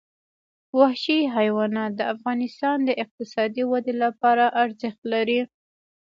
وحشي حیوانات د افغانستان د اقتصادي ودې لپاره ارزښت لري.